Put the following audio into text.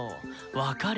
分かる？